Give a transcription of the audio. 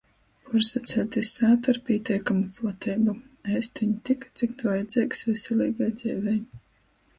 Puorsaceļt iz sātu ar "pīteikamu" plateibu. Ēst viņ tik, cik vajadzeigs veseleigai dzeivei.